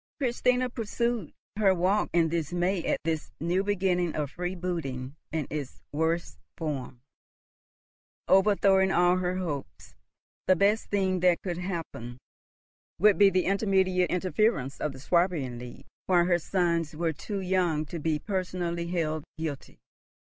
Christina pursued her walk in dismay at this new beginning of freebooting in its worst form, overthrowing all her hopes. The best thing that could happen would be the immediate interference of the Swabian League, while her sons were too young to be personally held guilty.